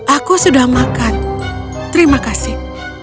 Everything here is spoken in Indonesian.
aku sudah makan terima kasih